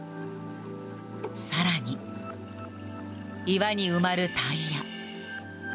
更に、岩に埋まるタイヤ。